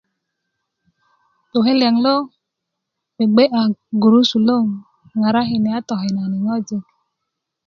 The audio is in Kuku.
gboke liyaŋ lo gbegbe'ya gurusulön a ŋarakini a tokenani ŋojik